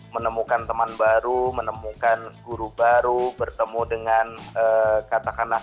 menemukan teman baru menemukan guru baru bertemu dengan katakanlah